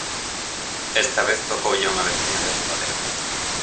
Esta vez tocoulle a unha veciña de Ribadeo.